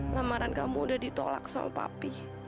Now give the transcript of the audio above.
lamaran kamu udah ditolak sama papi